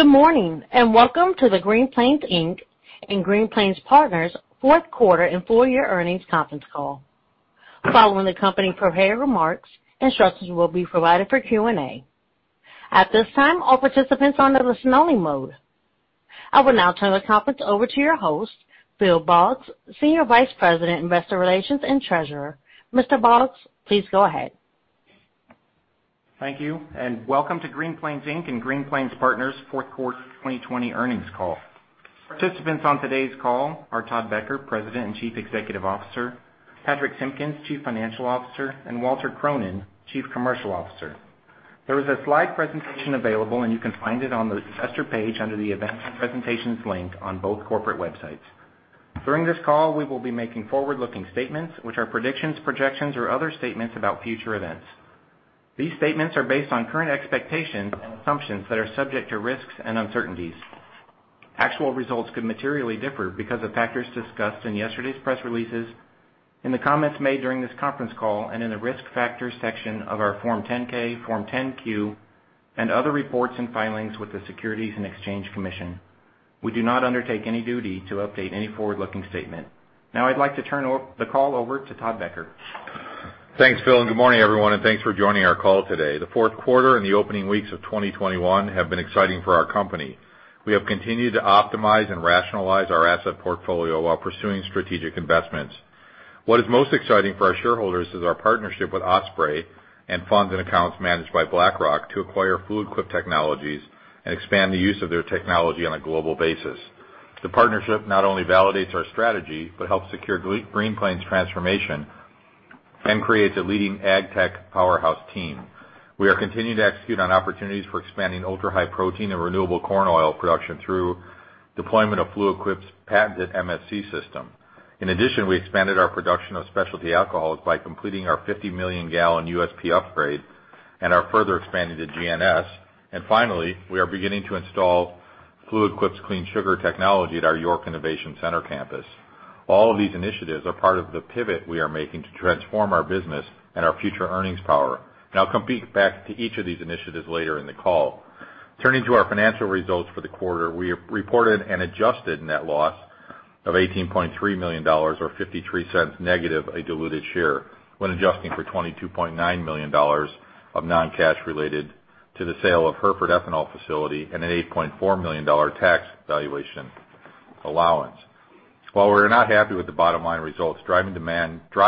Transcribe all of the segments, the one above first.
Good morning. Welcome to the Green Plains Inc. and Green Plains Partners fourth quarter and full-year earnings conference call. Following the company prepared remarks, instructions will be provided for Q&A. At this time, all participants are on listen-only mode. I will now turn the conference over to your host, Phil Boggs, Senior Vice President, Investor Relations and Treasurer. Mr. Boggs, please go ahead. Thank you, and welcome to Green Plains Inc. and Green Plains Partners fourth quarter 2020 earnings call. Participants on today's call are Todd Becker, President and Chief Executive Officer, Patrich Simpkins, Chief Financial Officer, and Walter Cronin, Chief Commercial Officer. There is a slide presentation available, and you can find it on the Investor page under the Events and Presentations link on both corporate websites. During this call, we will be making forward-looking statements, which are predictions, projections, or other statements about future events. These statements are based on current expectations and assumptions that are subject to risks and uncertainties. Actual results could materially differ because of factors discussed in yesterday's press releases, in the comments made during this conference call, and in the Risk Factors section of our Form 10-K, Form 10-Q, and other reports and filings with the Securities and Exchange Commission. We do not undertake any duty to update any forward-looking statement. Now I'd like to turn the call over to Todd Becker. Thanks, Phil. Good morning, everyone. Thanks for joining our call today. The fourth quarter and the opening weeks of 2021 have been exciting for our company. We have continued to optimize and rationalize our asset portfolio while pursuing strategic investments. What is most exciting for our shareholders is our partnership with Ospraie and funds and accounts managed by BlackRock to acquire Fluid Quip Technologies and expand the use of their technology on a global basis. The partnership not only validates our strategy but helps secure Green Plains' transformation and creates a leading agtech powerhouse team. We are continuing to execute on opportunities for expanding Ultra-High Protein and renewable corn oil production through deployment of Fluid Quip's patented MSC system. In addition, we expanded our production of specialty alcohols by completing our 50-million gallon USP upgrade and are further expanding to GNS. Finally, we are beginning to install Fluid Quip's Clean Sugar Technology at our York Innovation Center campus. All of these initiatives are part of the pivot we are making to transform our business and our future earnings power, I'll come back to each of these initiatives later in the call. Turning to our financial results for the quarter, we reported an adjusted net loss of $18.3 million or $0.53 negative a diluted share when adjusting for $22.9 million of non-cash related to the sale of Hereford ethanol facility and an $8.4 million tax valuation allowance. While we're not happy with the bottom-line results, driving demand due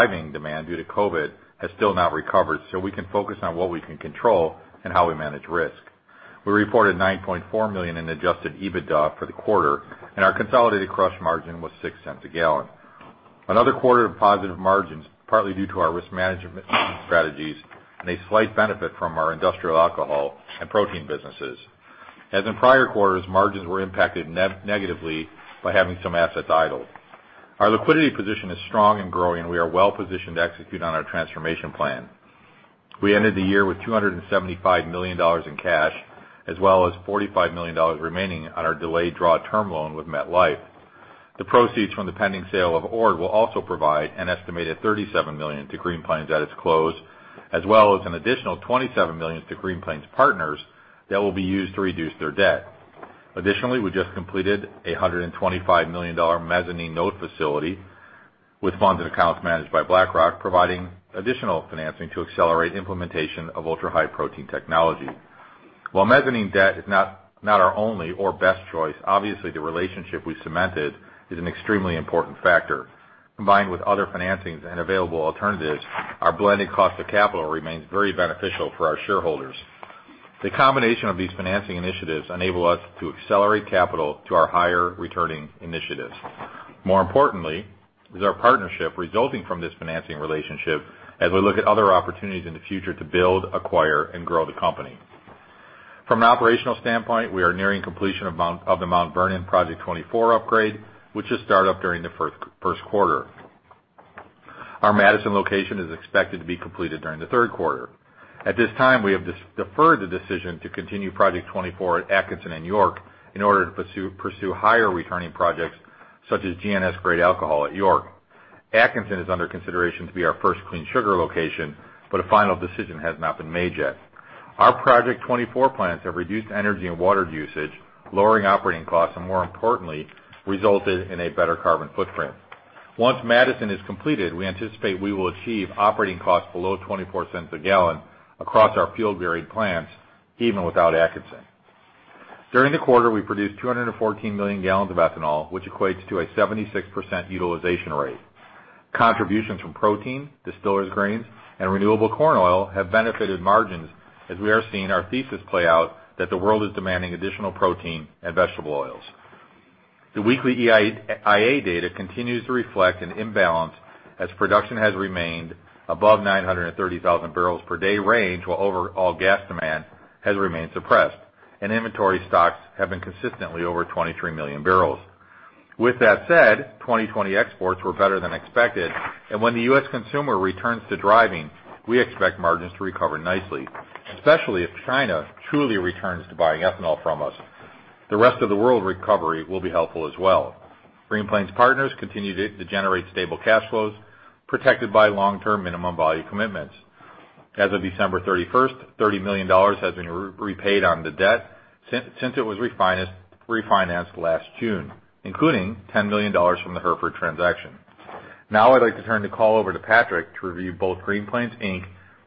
to COVID has still not recovered, we can focus on what we can control and how we manage risk. We reported $9.4 million in adjusted EBITDA for the quarter, our consolidated crush margin was $0.06 a gallon. Another quarter of positive margins, partly due to our risk management strategies and a slight benefit from our industrial alcohol and protein businesses. As in prior quarters, margins were impacted negatively by having some assets idled. Our liquidity position is strong and growing, and we are well-positioned to execute on our transformation plan. We ended the year with $275 million in cash, as well as $45 million remaining on our delayed draw term loan with MetLife. The proceeds from the pending sale of Ord will also provide an estimated $37 million to Green Plains at its close, as well as an additional $27 million to Green Plains Partners that will be used to reduce their debt. Additionally, we just completed a $125 million mezzanine note facility with funds and accounts managed by BlackRock, providing additional financing to accelerate implementation of Ultra-High Protein technology. While mezzanine debt is not our only or best choice, obviously, the relationship we've cemented is an extremely important factor. Combined with other financings and available alternatives, our blended cost of capital remains very beneficial for our shareholders. The combination of these financing initiatives enable us to accelerate capital to our higher-returning initiatives. More importantly is our partnership resulting from this financing relationship as we look at other opportunities in the future to build, acquire, and grow the company. From an operational standpoint, we are nearing completion of the Mount Vernon Project 24 upgrade, which is start up during the first quarter. Our Madison location is expected to be completed during the third quarter. At this time, we have deferred the decision to continue Project 24 at Atkinson and York in order to pursue higher-returning projects such as GNS-grade alcohol at York. Atkinson is under consideration to be our first Clean Sugar location, but a final decision has not been made yet. Our Project 24 plants have reduced energy and water usage, lowering operating costs, and more importantly, resulted in a better carbon footprint. Once Madison is completed, we anticipate we will achieve operating costs below $0.24 a gallon across our fuel-varied plants, even without Atkinson. During the quarter, we produced 214 million gallons of ethanol, which equates to a 76% utilization rate. Contributions from protein, distillers' grains, and renewable corn oil have benefited margins as we are seeing our thesis play out that the world is demanding additional protein and vegetable oils. The weekly EIA data continues to reflect an imbalance as production has remained above 930,000 bbl per day range while overall gas demand has remained suppressed, and inventory stocks have been consistently over 23 million barrels. With that said, 2020 exports were better than expected. When the U.S. consumer returns to driving, we expect margins to recover nicely, especially if China truly returns to buying ethanol from us. The rest of the world recovery will be helpful as well. Green Plains Partners continue to generate stable cash flows protected by long-term minimum volume commitments. As of December 31st, $30 million has been repaid on the debt since it was refinanced last June, including $10 million from the Hereford transaction. I'd like to turn the call over to Patrich to review both Green Plains Inc.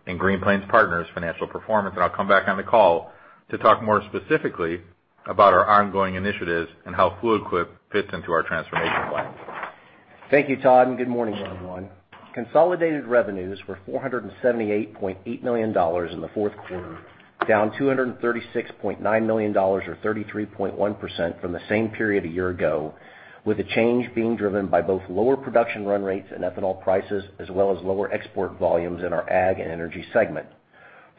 and Green Plains Partners' financial performance. I'll come back on the call to talk more specifically about our ongoing initiatives and how Fluid Quip fits into our transformation plan. Thank you, Todd, and good morning, everyone. Consolidated revenues were $478.8 million in the fourth quarter, down $236.9 million or 33.1% from the same period a year ago, with the change being driven by both lower production run-rates and ethanol prices, as well as lower export volumes in our ag and energy segment.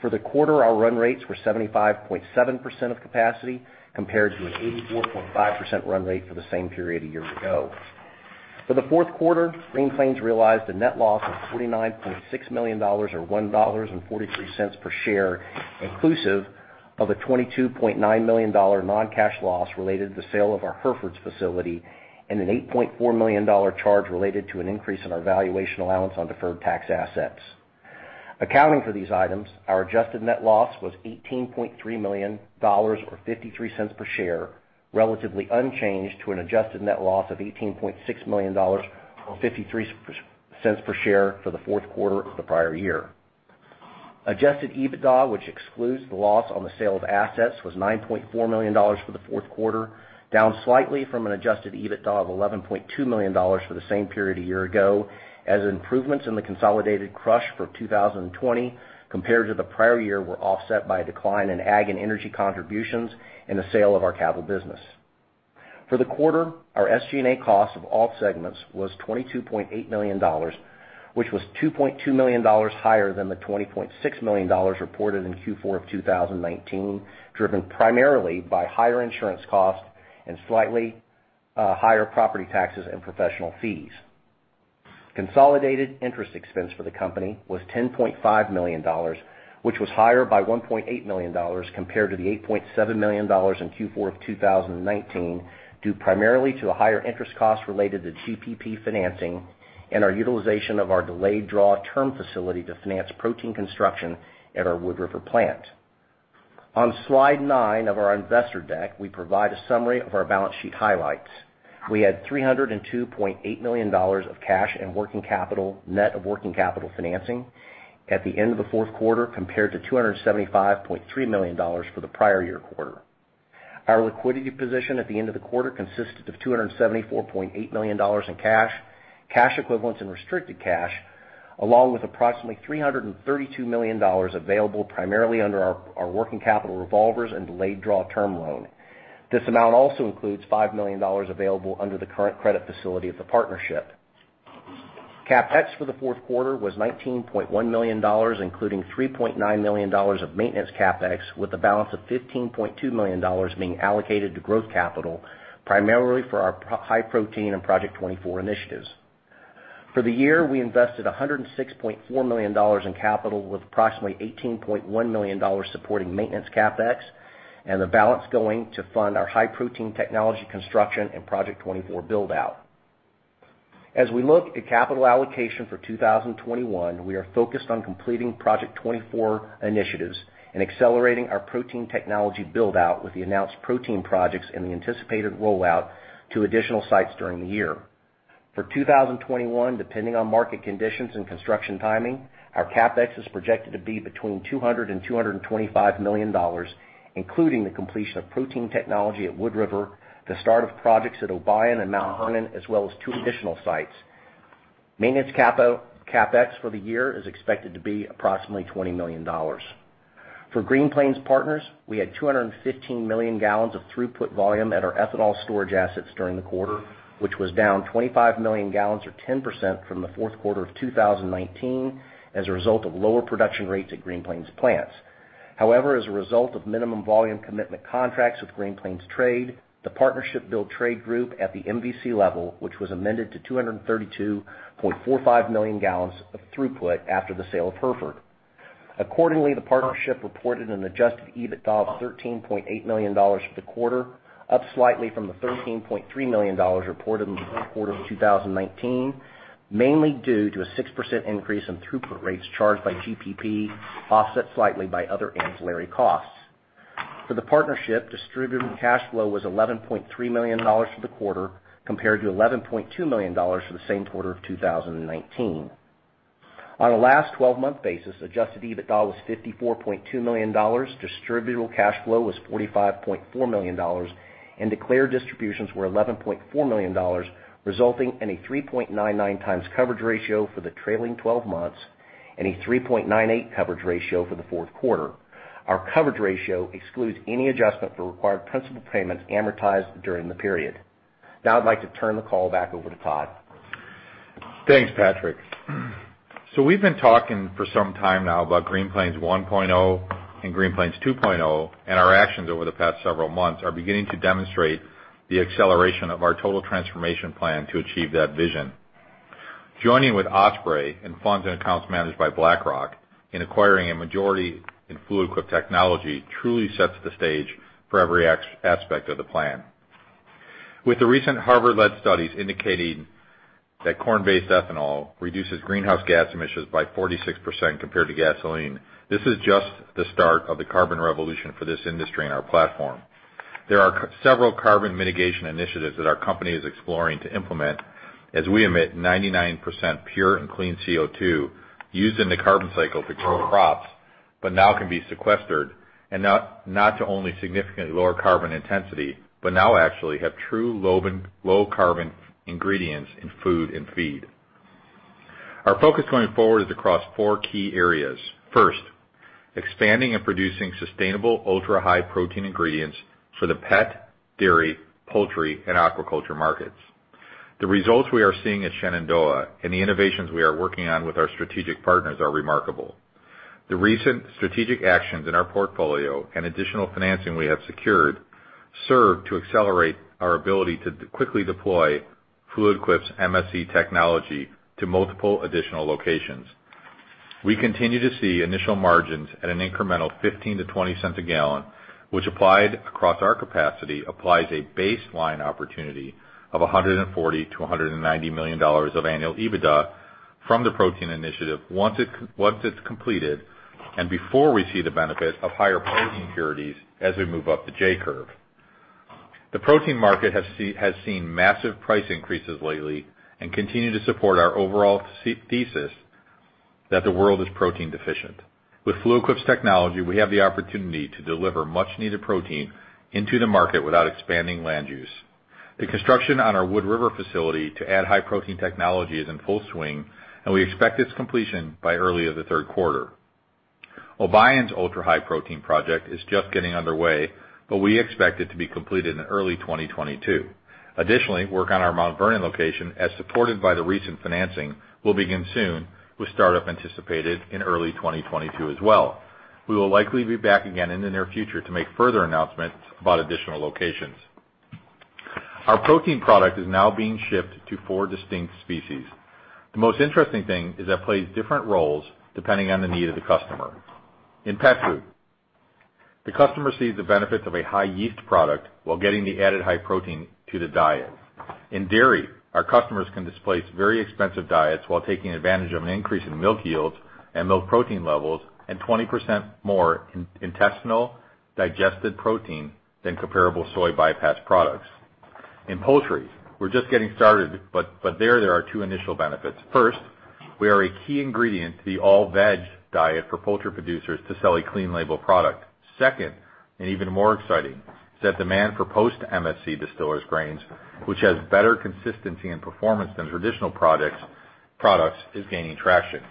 For the quarter, our run-rates were 75.7% of capacity, compared to an 84.5% run-rate for the same period a year ago. For the fourth quarter, Green Plains realized a net loss of $49.6 million or $1.43 per share, inclusive of a $22.9 million non-cash loss related to the sale of our Hereford facility and an $8.4 million charge related to an increase in our valuation allowance on deferred tax assets. Accounting for these items, our adjusted net loss was $18.3 million, or $0.53 per share, relatively unchanged to an adjusted net loss of $18.6 million or $0.53 per share for the fourth quarter of the prior year. Adjusted EBITDA, which excludes the loss on the sale of assets, was $9.4 million for the fourth quarter, down slightly from an adjusted EBITDA of $11.2 million for the same period a year ago, as improvements in the consolidated crush for 2020 compared to the prior year were offset by a decline in ag and energy contributions and the sale of our cattle business. For the quarter, our SG&A cost of all segments was $22.8 million, which was $2.2 million higher than the $20.6 million reported in Q4 of 2019, driven primarily by higher insurance costs and slightly higher property taxes and professional fees. Consolidated interest expense for the company was $10.5 million, which was higher by $1.8 million compared to the $8.7 million in Q4 of 2019, due primarily to the higher interest costs related to GPP financing and our utilization of our delayed draw term facility to finance protein construction at our Wood River plant. On slide nine of our investor deck, we provide a summary of our balance sheet highlights. We had $302.8 million of cash and working capital, net of working capital financing at the end of the fourth quarter, compared to $275.3 million for the prior year quarter. Our liquidity position at the end of the quarter consisted of $274.8 million in cash equivalents and restricted cash, along with approximately $332 million available primarily under our working capital revolvers and delayed draw term loan. This amount also includes $5 million available under the current credit facility of the partnership. CapEx for the fourth quarter was $19.1 million, including $3.9 million of maintenance CapEx, with a balance of $15.2 million being allocated to growth capital, primarily for our High Protein and Project 24 initiatives. For the year, we invested $106.4 million in capital, with approximately $18.1 million supporting maintenance CapEx and the balance going to fund our High Protein technology construction and Project 24 build-out. As we look at capital allocation for 2021, we are focused on completing Project 24 initiatives and accelerating our Protein technology build-out with the announced Protein projects and the anticipated rollout to additional sites during the year. For 2021, depending on market conditions and construction timing, our CapEx is projected to be between $200 million and $225 million, including the completion of protein technology at Wood River, the start of projects at Obion and Mount Vernon, as well as two additional sites. Maintenance CapEx for the year is expected to be approximately $20 million. For Green Plains Partners, we had 215 million gallons of throughput volume at our ethanol storage assets during the quarter, which was down 25 million gallons or 10% from the fourth quarter of 2019 as a result of lower production rates at Green Plains plants. However, as a result of minimum volume commitment contracts with Green Plains Trade, the partnership-builled trade group at the MVC level, which was amended to 232.45 million gallons of throughput after the sale of Hereford. Accordingly, the partnership reported an adjusted EBITDA of $13.8 million for the quarter, up slightly from the $13.3 million reported in the fourth quarter of 2019, mainly due to a 6% increase in throughput rates charged by GPP, offset slightly by other ancillary costs. For the partnership, distributed cash flow was $11.3 million for the quarter, compared to $11.2 million for the same quarter of 2019. On a last 12-month basis, adjusted EBITDA was $54.2 million. Distributed cash flow was $45.4 million. Declared distributions were $11.4 million, resulting in a 3.99x coverage ratio for the trailing 12 months and a 3.98x coverage ratio for the fourth quarter. Our coverage ratio excludes any adjustment for required principal payments amortized during the period. Now I'd like to turn the call back over to Todd. Thanks, Patrich. We've been talking for some time now about Green Plains 1.0 and Green Plains 2.0, and our actions over the past several months are beginning to demonstrate the acceleration of our total transformation plan to achieve that vision. Joining with Ospraie and funds and accounts managed by BlackRock in acquiring a majority in Fluid Quip Technology truly sets the stage for every aspect of the plan. With the recent Harvard-led studies indicating that corn-based ethanol reduces greenhouse gas emissions by 46% compared to gasoline, this is just the start of the carbon revolution for this industry and our platform. There are several carbon mitigation initiatives that our company is exploring to implement as we emit 99% pure and clean CO2 used in the carbon cycle to grow crops, but now can be sequestered, and not to only significantly lower carbon intensity, but now actually have true low carbon ingredients in food and feed. Our focus going forward is across four key areas. First, expanding and producing sustainable Ultra-High Protein ingredients for the pet, dairy, poultry, and aquaculture markets. The results we are seeing at Shenandoah and the innovations we are working on with our strategic partners are remarkable. The recent strategic actions in our portfolio and additional financing we have secured serve to accelerate our ability to quickly deploy Fluid Quip's MSC technology to multiple additional locations. We continue to see initial margins at an incremental $0.15-$0.20 a gallon, which applied across our capacity, applies a baseline opportunity of $140 million-$190 million of annual EBITDA from the protein initiative once it's completed, and before we see the benefit of higher protein impurities as we move up the J-curve. The protein market has seen massive price increases lately and continue to support our overall thesis that the world is protein deficient. With Fluid Quip's technology, we have the opportunity to deliver much needed protein into the market without expanding land use. The construction on our Wood River facility to add high protein technology is in full swing, and we expect its completion by early of the third quarter. Obion's Ultra-High Protein project is just getting underway, we expect it to be completed in early 2022. Additionally, work on our Mount Vernon location, as supported by the recent financing, will begin soon with startup anticipated in early 2022 as well. We will likely be back again in the near future to make further announcements about additional locations. Our protein product is now being shipped to four distinct species. The most interesting thing is that plays different roles depending on the need of the customer. In pet food, the customer sees the benefits of a high yeast product while getting the added high protein to the diet. In dairy, our customers can displace very expensive diets while taking advantage of an increase in milk yields and milk protein levels, 20% more intestinal digested protein than comparable soy bypass products. In poultry, we're just getting started, there are two initial benefits. First, we are a key ingredient to the all-veg diet for poultry producers to sell a clean label product. Second, and even more exciting, is that demand for post MSC distillers grains, which has better consistency and performance than traditional products, is gaining traction.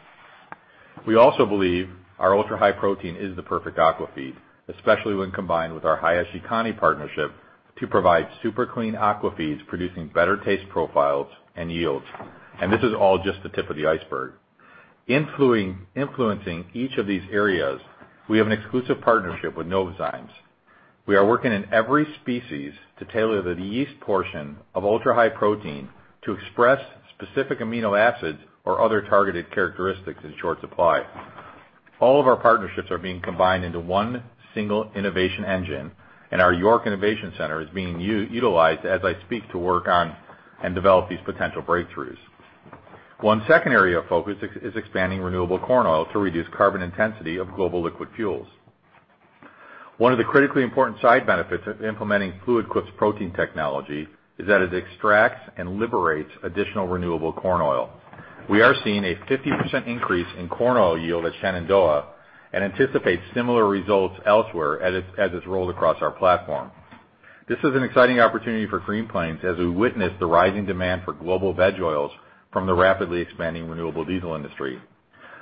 We also believe our Ultra-High Protein is the perfect aqua feed, especially when combined with our Hayashikane partnership to provide super clean aqua feeds producing better taste profiles and yields. This is all just the tip of the iceberg. Influencing each of these areas, we have an exclusive partnership with Novozymes. We are working in every species to tailor the yeast portion of Ultra-High Protein to express specific amino acids or other targeted characteristics in short supply. All of our partnerships are being combined into one single innovation engine, and our York Innovation Center is being utilized as I speak to work on and develop these potential breakthroughs. One second area of focus is expanding renewable corn oil to reduce carbon intensity of global liquid fuels. One of the critically important side benefits of implementing Fluid Quip's protein technology is that it extracts and liberates additional renewable corn oil. We are seeing a 50% increase in corn oil yield at Shenandoah and anticipate similar results elsewhere as it's rolled across our platform. This is an exciting opportunity for Green Plains as we witness the rising demand for global veg oils from the rapidly expanding renewable diesel industry.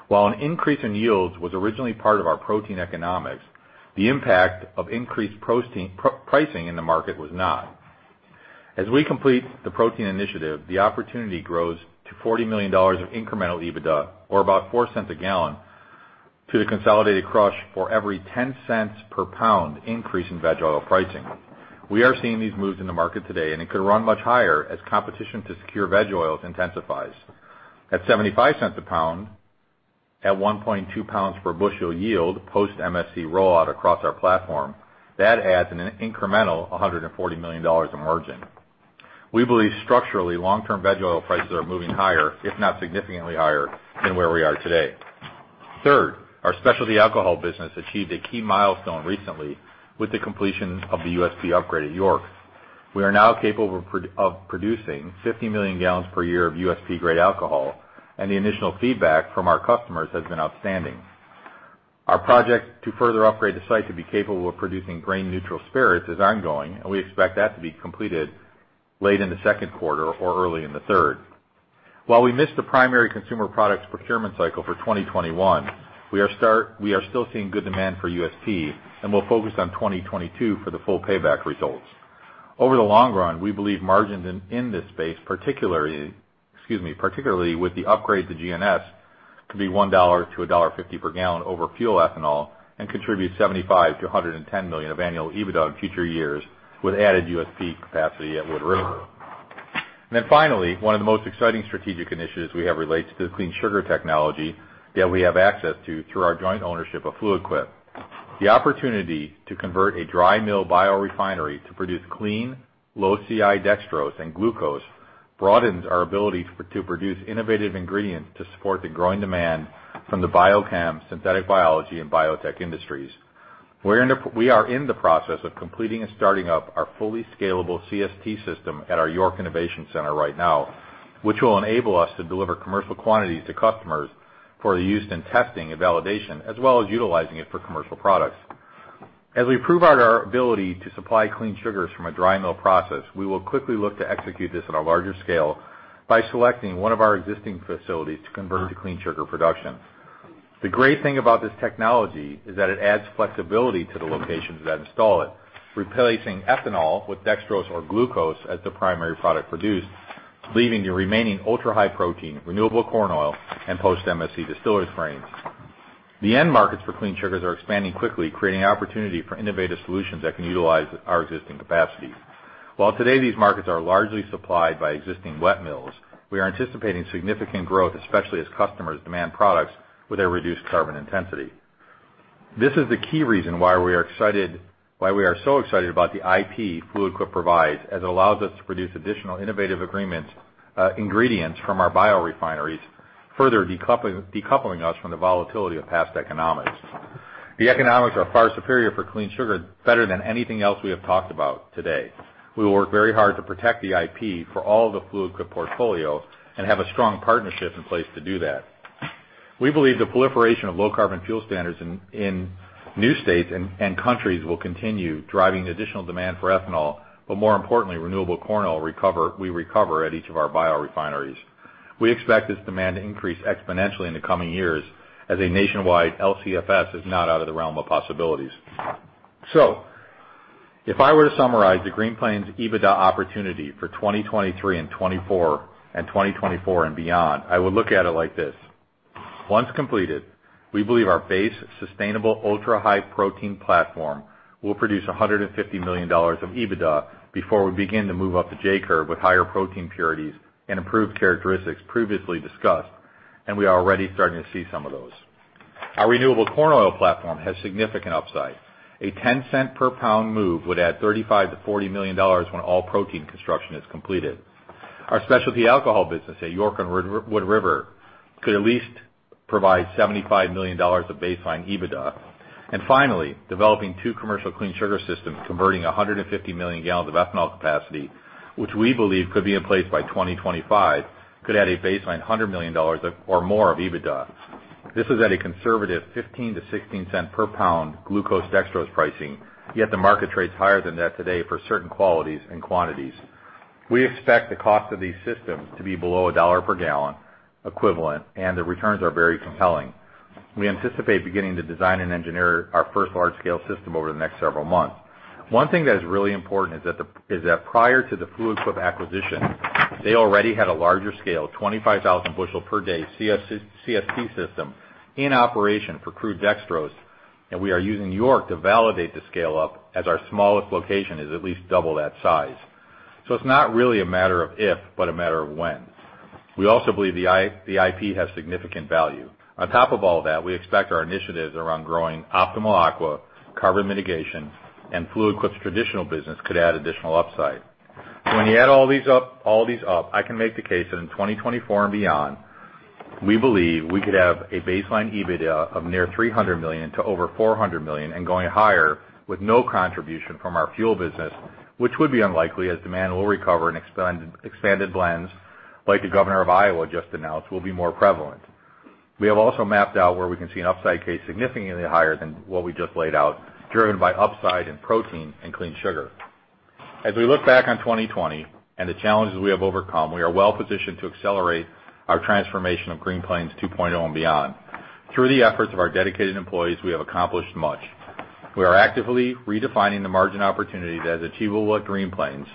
While an increase in yields was originally part of our protein economics, the impact of increased pricing in the market was not. As we complete the protein initiative, the opportunity grows to $40 million of incremental EBITDA, or about $0.04 a gallon, to the consolidated crush for every $0.10 per pound increase in veg oil pricing. We are seeing these moves in the market today, and it could run much higher as competition to secure veg oils intensifies. At $0.75 a pound, at 1.2 pounds per bushel yield post MSC rollout across our platform, that adds an incremental $140 million in margin. We believe structurally long-term veg oil prices are moving higher, if not significantly higher than where we are today. Third, our specialty alcohol business achieved a key milestone recently with the completion of the USP upgrade at York. We are now capable of producing 50 million gallons per year of USP grade alcohol, and the initial feedback from our customers has been outstanding. Our project to further upgrade the site to be capable of producing grain neutral spirits is ongoing. We expect that to be completed late in the second quarter or early in the third. While we missed the primary consumer products procurement cycle for 2021, we are still seeing good demand for USP. We'll focus on 2022 for the full payback results. Over the long run, we believe margins in this space particularly with the upgrade to GNS, could be $1-$1.50 per gallon over fuel ethanol and contribute $75 million-$110 million of annual EBITDA in future years with added USP capacity at Wood River. Finally, one of the most exciting strategic initiatives we have relates to the Clean Sugar Technology that we have access to through our joint ownership of Fluid Quip. The opportunity to convert a dry mill biorefinery to produce clean, low CI dextrose and glucose broadens our ability to produce innovative ingredients to support the growing demand from the biochem, synthetic biology, and biotech industries. We are in the process of completing and starting up our fully scalable CST system at our York Innovation Center right now, which will enable us to deliver commercial quantities to customers for the use in testing and validation, as well as utilizing it for commercial products. As we prove our ability to supply clean sugars from a dry mill process, we will quickly look to execute this on a larger scale by selecting one of our existing facilities to convert to clean sugar production. The great thing about this technology is that it adds flexibility to the locations that install it, replacing ethanol with dextrose or glucose as the primary product produced, leaving the remaining Ultra-High Protein, renewable corn oil, and post MSC distillers grains. The end markets for Clean Sugars are expanding quickly, creating opportunity for innovative solutions that can utilize our existing capacities. While today these markets are largely supplied by existing wet mills, we are anticipating significant growth, especially as customers demand products with a reduced carbon intensity. This is the key reason why we are so excited about the IP Fluid Quip provides, as it allows us to produce additional innovative ingredients from our biorefineries, further decoupling us from the volatility of past economics. The economics are far superior for Clean Sugar, better than anything else we have talked about today. We will work very hard to protect the IP for all the Fluid Quip portfolio and have a strong partnership in place to do that. We believe the proliferation of low carbon fuel standards in new states and countries will continue, driving additional demand for ethanol, but more importantly, renewable corn oil we recover at each of our biorefineries. We expect this demand to increase exponentially in the coming years as a nationwide LCFS is not out of the realm of possibilities. If I were to summarize the Green Plains EBITDA opportunity for 2023 and 2024 and beyond, I would look at it like this. Once completed, we believe our base sustainable Ultra-High Protein platform will produce $150 million of EBITDA before we begin to move up the J-curve with higher protein purities and improved characteristics previously discussed, and we are already starting to see some of those. Our renewable corn oil platform has significant upside. A $0.10 per pound move would add $35 million-$40 million when all protein construction is completed. Our specialty alcohol business at York and Wood River could at least provide $75 million of baseline EBITDA. Finally, developing two commercial Clean Sugar systems, converting 150 million gallons of ethanol capacity, which we believe could be in place by 2025, could add a baseline $100 million or more of EBITDA. This is at a conservative $0.15-$0.16 per pound glucose dextrose pricing, yet the market trades higher than that today for certain qualities and quantities. We expect the cost of these systems to be below $1 per gallon equivalent, and the returns are very compelling. We anticipate beginning to design and engineer our first large-scale system over the next several months. One thing that is really important is that prior to the Fluid Quip acquisition, they already had a larger scale, 25,000 bushel per day CST system in operation for crude dextrose, and we are using York to validate the scale-up as our smallest location is at least double that size. It's not really a matter of if, but a matter of when. We also believe the IP has significant value. On top of all that, we expect our initiatives around growing Optimal Aqua, carbon mitigation, and Fluid Quip's traditional business could add additional upside. When you add all these up, I can make the case that in 2024 and beyond, we believe we could have a baseline EBITDA of near $300 million to over $400 million and going higher with no contribution from our fuel business, which would be unlikely as demand will recover and expanded blends like the governor of Iowa just announced, will be more prevalent. We have also mapped out where we can see an upside case significantly higher than what we just laid out, driven by upside in protein and Clean Sugar. As we look back on 2020 and the challenges we have overcome, we are well-positioned to accelerate our transformation of Green Plains 2.0 and beyond. Through the efforts of our dedicated employees, we have accomplished much. We are actively redefining the margin opportunities as achievable at Green Plains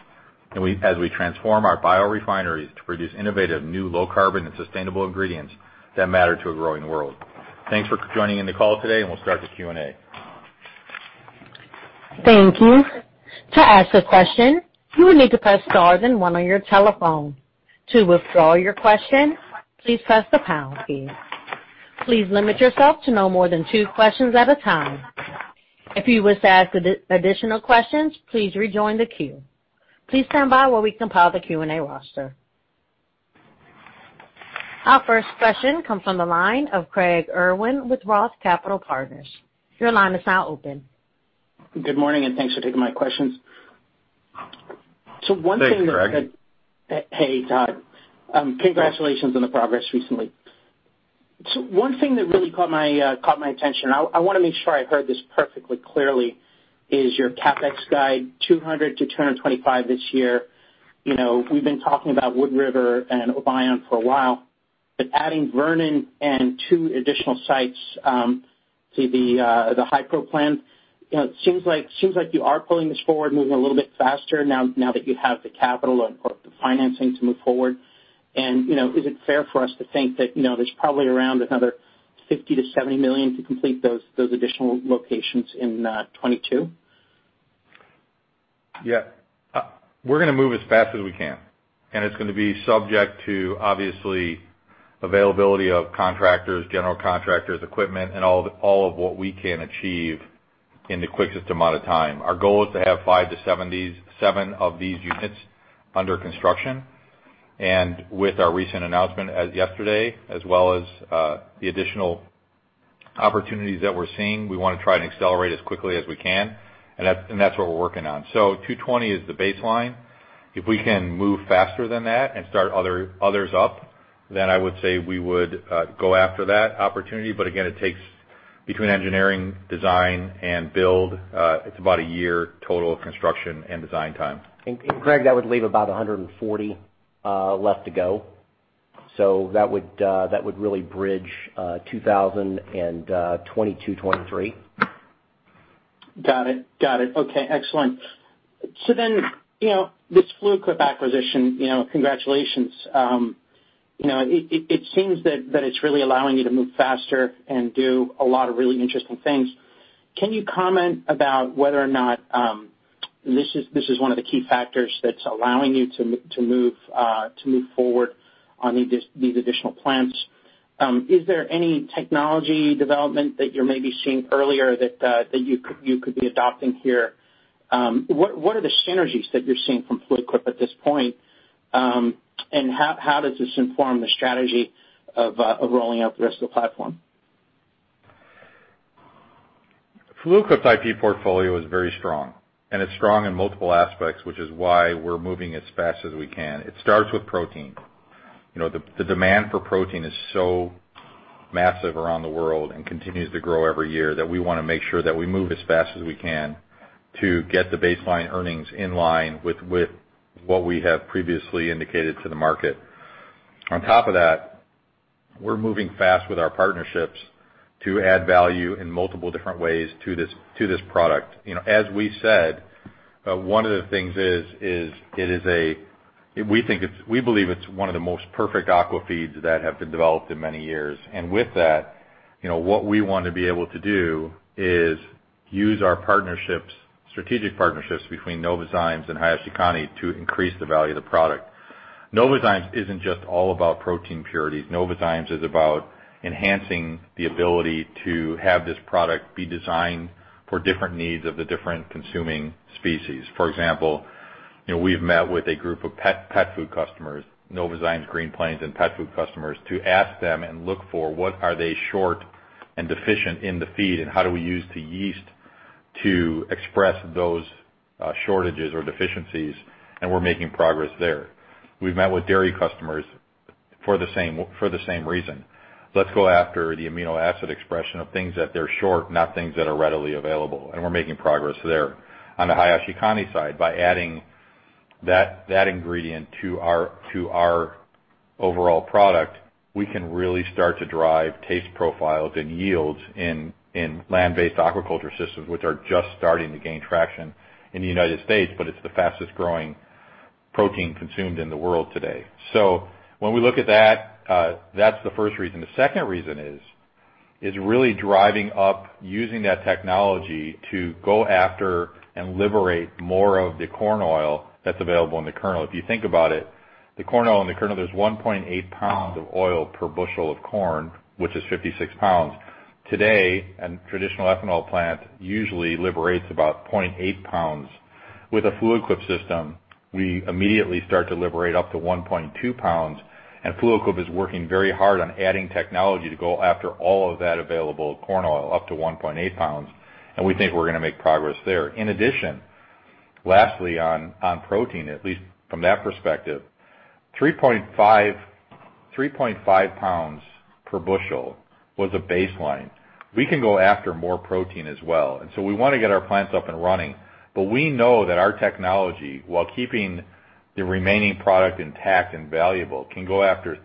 as we transform our biorefineries to produce innovative new low carbon and sustainable ingredients that matter to a growing world. Thanks for joining in the call today, and we'll start the Q&A. Thank you. To ask a question, you will need to press star then one on your telephone. To withdraw your question, please press the pound key. Please limit yourself to no more than two questions at a time. If you wish to ask additional questions, please rejoin the queue. Please stand by while we compile the Q&A roster. Our first question comes from the line of Craig Irwin with ROTH Capital Partners. Your line is now open. Good morning, and thanks for taking my questions. Thanks, Craig. Hey, Todd. Congratulations on the progress recently. One thing that really caught my attention, I want to make sure I heard this perfectly clearly, is your CapEx guide, $200 million-$225 million this year. We've been talking about Wood River and Obion for a while, but adding Vernon and two additional sites to the HiPro plan, it seems like you are pulling this forward, moving a little bit faster now that you have the capital and the financing to move forward. Is it fair for us to think that there's probably around another $50 million-$70 million to complete those additional locations in 2022? Yeah. We're going to move as fast as we can, and it's going to be subject to, obviously, availability of contractors, general contractors, equipment, and all of what we can achieve in the quickest amount of time. Our goal is to have five to seven of these units under construction. With our recent announcement yesterday, as well as the additional opportunities that we're seeing, we want to try and accelerate as quickly as we can. That's what we're working on. 220 is the baseline. If we can move faster than that and start others up, then I would say we would go after that opportunity. Again, it takes, between engineering, design, and build, it's about a year total of construction and design time. Craig, that would leave about 140 left to go. That would really bridge 2022, 2023. Got it. Okay, excellent. This Fluid Quip acquisition, congratulations. It seems that it's really allowing you to move faster and do a lot of really interesting things. Can you comment about whether or not this is one of the key factors that's allowing you to move forward on these additional plants? Is there any technology development that you're maybe seeing earlier that you could be adopting here? What are the synergies that you're seeing from Fluid Quip at this point? How does this inform the strategy of rolling out the rest of the platform? Fluid Quip's IP portfolio is very strong. It's strong in multiple aspects, which is why we're moving as fast as we can. It starts with protein. The demand for protein is so massive around the world and continues to grow every year, that we want to make sure that we move as fast as we can to get the baseline earnings in line with what we have previously indicated to the market. On top of that, we're moving fast with our partnerships to add value in multiple different ways to this product. As we said, one of the things is we believe it's one of the most perfect aquafeeds that have been developed in many years. With that, what we want to be able to do is use our strategic partnerships between Novozymes and Hayashikane to increase the value of the product. Novozymes isn't just all about protein purity. Novozymes is about enhancing the ability to have this product be designed for different needs of the different consuming species. For example, we've met with a group of pet food customers, Novozymes Green Plains, and pet food customers, to ask them and look for what are they short and deficient in the feed, and how do we use the yeast to express those shortages or deficiencies, and we're making progress there. We've met with dairy customers for the same reason. Let's go after the amino acid expression of things that they're short, not things that are readily available, and we're making progress there. On the Hayashikane side, by adding that ingredient to our overall product, we can really start to drive taste profiles and yields in land-based aquaculture systems, which are just starting to gain traction in the United States, but it's the fastest-growing protein consumed in the world today. When we look at that's the first reason. The second reason is really driving up using that technology to go after and liberate more of the corn oil that's available in the kernel. If you think about it, the corn oil in the kernel, there's 1.8 pounds of oil per bushel of corn, which is 56 pounds. Today, a traditional ethanol plant usually liberates about 0.8 pounds. With a Fluid Quip system, we immediately start to liberate up to 1.2 pounds, and Fluid Quip is working very hard on adding technology to go after all of that available corn oil, up to 1.8 pounds, and we think we're going to make progress there. In addition, lastly, on protein, at least from that perspective, 3.5 pounds per bushel was a baseline. We can go after more protein as well. We want to get our plants up and running, but we know that our technology, while keeping the remaining product intact and valuable, can go after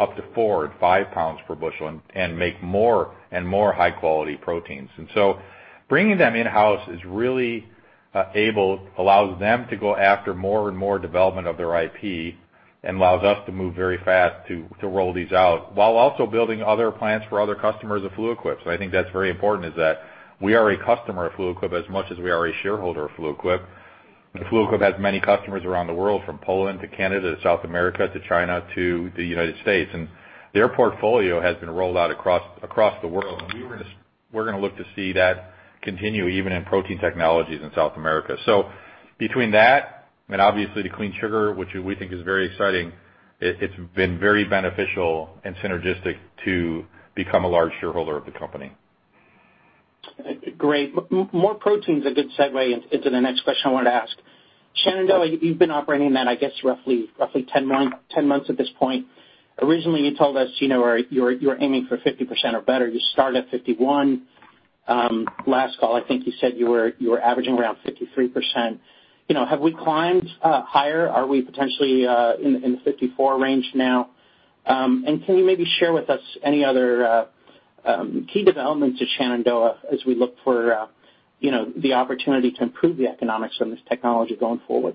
up to four or five pounds per bushel and make more and more high-quality proteins. Bringing them in-house allows them to go after more and more development of their IP and allows us to move very fast to roll these out while also building other plants for other customers of Fluid Quip. I think that's very important is that we are a customer of Fluid Quip as much as we are a shareholder of Fluid Quip. Fluid Quip has many customers around the world, from Poland to Canada to South America to China to the United States, and their portfolio has been rolled out across the world. We're going to look to see that continue even in protein technologies in South America. Between that and obviously the Clean Sugar, which we think is very exciting, it's been very beneficial and synergistic to become a large shareholder of the company. Great. More protein's a good segue into the next question I wanted to ask. Shenandoah, you've been operating that, I guess, roughly 10 months at this point. Originally, you told us you were aiming for 50% or better. You started at 51%. Last call, I think you said you were averaging around 53%. Have we climbed higher? Are we potentially in the 54% range now? Can you maybe share with us any other key developments to Shenandoah as we look for the opportunity to improve the economics from this technology going forward?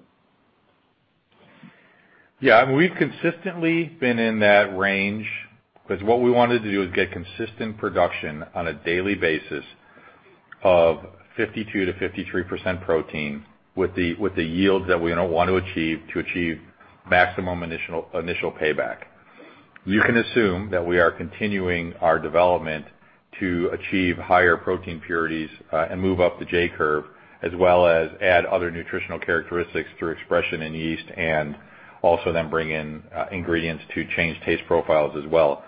Yeah, we've consistently been in that range, because what we wanted to do is get consistent production on a daily basis of 52%-53% protein with the yields that we want to achieve to achieve maximum initial payback. You can assume that we are continuing our development to achieve higher protein purities, and move up the J-curve, as well as add other nutritional characteristics through expression in yeast, and also then bring in ingredients to change taste profiles as well.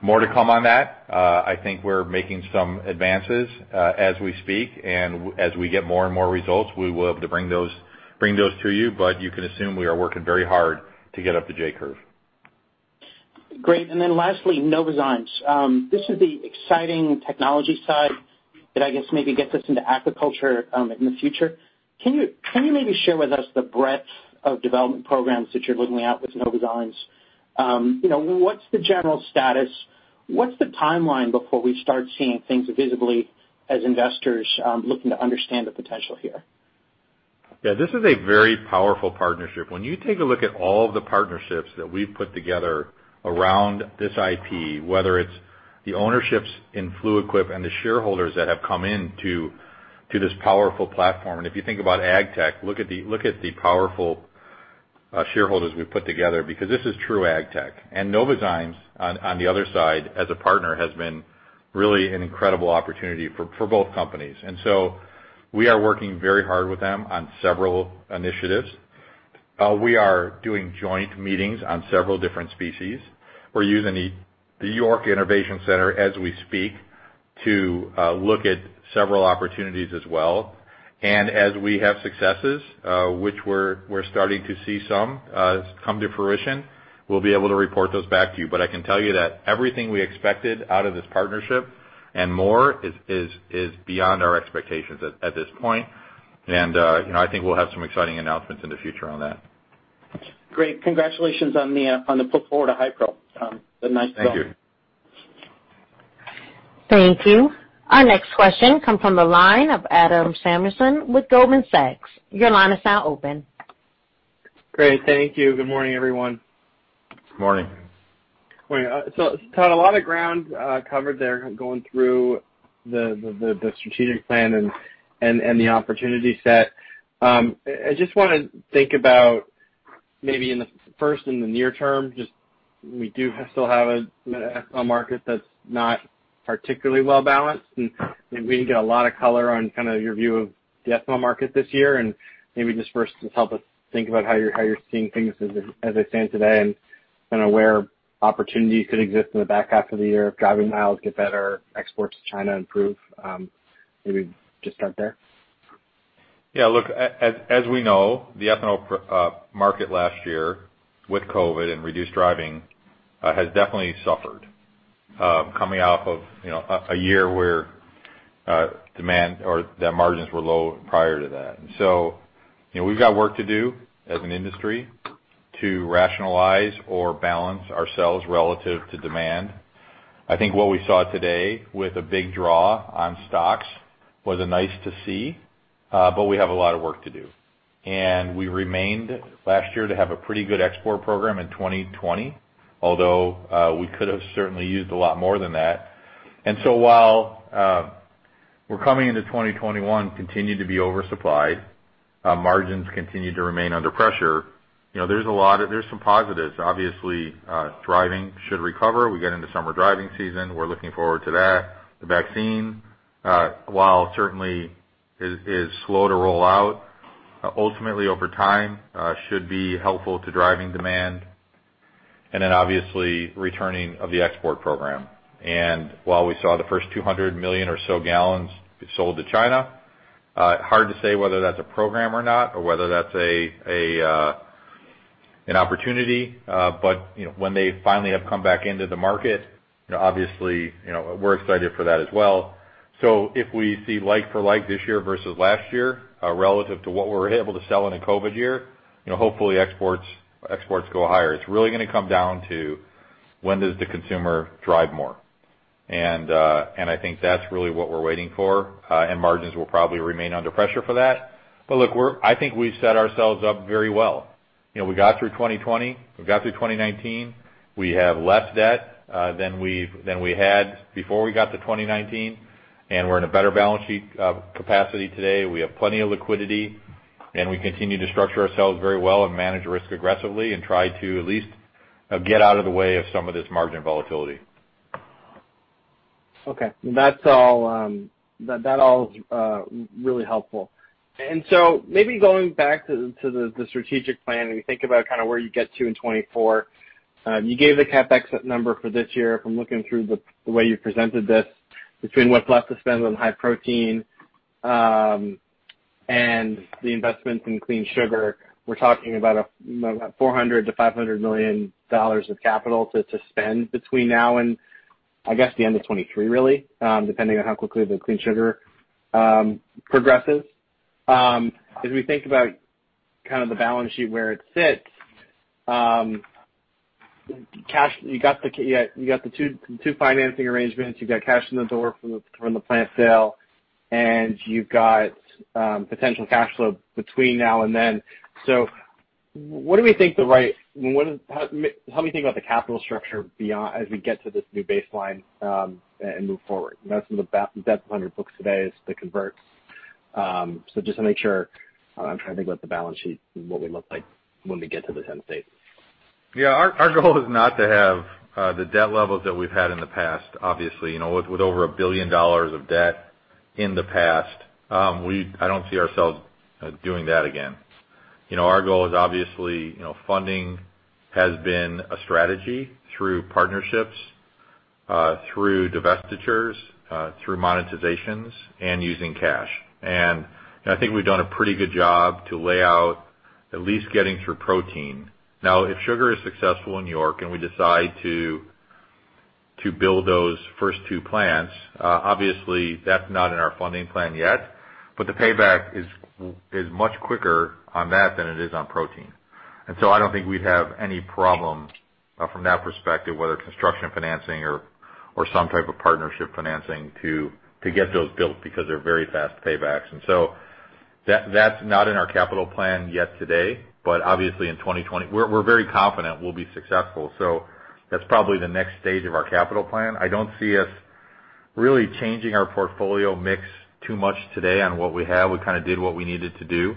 More to come on that. I think we're making some advances as we speak. As we get more and more results, we will have to bring those to you. You can assume we are working very hard to get up the J-curve. Great. Lastly, Novozymes. This is the exciting technology side that I guess maybe gets us into aquaculture in the future. Can you maybe share with us the breadth of development programs that you're looking at with Novozymes? What's the general status? What's the timeline before we start seeing things visibly as investors looking to understand the potential here? Yeah, this is a very powerful partnership. When you take a look at all of the partnerships that we've put together around this IP, whether it's the ownerships in Fluid Quip and the shareholders that have come into this powerful platform. If you think about ag-tech, look at the powerful shareholders we've put together, because this is true ag-tech. Novozymes, on the other side as a partner, has been really an incredible opportunity for both companies. So we are working very hard with them on several initiatives. We are doing joint meetings on several different species. We're using the York Innovation Center as we speak to look at several opportunities as well. As we have successes, which we're starting to see some come to fruition, we'll be able to report those back to you. I can tell you that everything we expected out of this partnership and more is beyond our expectations at this point. I think we'll have some exciting announcements in the future on that. Great. Congratulations on the put forward of HiPro. It's a nice draw. Thank you. Thank you. Our next question comes from the line of Adam Samuelson with Goldman Sachs. Your line is now open. Great, thank you. Good morning, everyone. Morning. Morning. Todd, a lot of ground covered there going through the strategic plan and the opportunity set. I just want to think about maybe first in the near term, we do still have an ethanol market that's not particularly well balanced, and maybe we can get a lot of color on kind of your view of the ethanol market this year, and maybe just first help us think about how you're seeing things as they stand today and where opportunities could exist in the back half of the year. Driving miles get better, exports to China improve. Maybe just start there. Yeah, look, as we know, the ethanol market last year with COVID and reduced driving has definitely suffered, coming off of a year where demand or the margins were low prior to that. We've got work to do as an industry to rationalize or balance ourselves relative to demand. I think what we saw today with a big draw on stocks was nice to see, but we have a lot of work to do. We remained last year to have a pretty good export program in 2020, although we could have certainly used a lot more than that. While we're coming into 2021 continuing to be oversupplied, margins continue to remain under pressure. There's some positives. Obviously, driving should recover. We get into summer driving season. We're looking forward to that. The vaccine, while certainly is slow to roll out, ultimately over time should be helpful to driving demand. Then obviously returning of the export program. While we saw the first 200 million or so gallons sold to China, hard to say whether that's a program or not, or whether that's an opportunity. When they finally have come back into the market, obviously we're excited for that as well. If we see like-for-like this year versus last year relative to what we were able to sell in a COVID year, hopefully exports go higher. It's really going to come down to when does the consumer drive more. I think that's really what we're waiting for. Margins will probably remain under pressure for that. Look, I think we've set ourselves up very well. We got through 2020. We got through 2019. We have less debt than we had before we got to 2019, and we're in a better balance sheet capacity today. We have plenty of liquidity, and we continue to structure ourselves very well and manage risk aggressively and try to at least get out of the way of some of this margin volatility. Okay. That all is really helpful. Maybe going back to the strategic plan, when you think about where you get to in 2024, you gave the CapEx number for this year from looking through the way you presented this between what's left to spend on high protein, and the investments in CleanSugar, we're talking about $400 million-$500 million of capital to spend between now and I guess the end of 2023, really, depending on how quickly the Clean Sugar progresses. As we think about kind of the balance sheet where it sits. You got the two financing arrangements. You've got cash in the door from the plant sale, and you've got potential cash flow between now and then. How do we think about the capital structure as we get to this new baseline, and move forward? That's in the debt on your books today is the converts. Just to make sure, I'm trying to think about the balance sheet and what we look like when we get to this end state. Yeah. Our goal is not to have the debt levels that we've had in the past, obviously. With over $1 billion of debt in the past, I don't see ourselves doing that again. Our goal is obviously, funding has been a strategy through partnerships, through divestitures, through monetizations, and using cash. I think we've done a pretty good job to lay out at least getting through protein. Now, if sugar is successful in York and we decide to build those first two plants, obviously that's not in our funding plan yet, but the payback is much quicker on that than it is on protein. I don't think we'd have any problem from that perspective, whether construction financing or some type of partnership financing to get those built, because they're very fast paybacks. That's not in our capital plan yet today, but obviously in 2020. We're very confident we'll be successful. That's probably the next stage of our capital plan. I don't see us really changing our portfolio mix too much today on what we have. We kind of did what we needed to do,